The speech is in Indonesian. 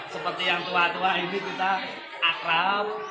seperti yang tua tua ini kita akrab